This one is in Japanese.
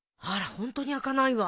ホントに開かないわ。